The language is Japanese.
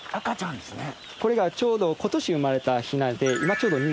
これがちょうど今年生まれたひなで。